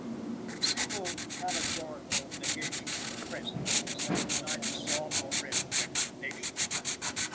The single categorical negation of the President is that he neither saw nor read the recommendation.